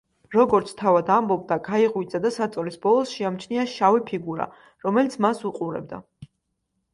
როგორც თავად ამბობდა, გაიღვიძა და საწოლის ბოლოს შეამჩნია შავი ფიგურა, რომელიც მას უყურებდა.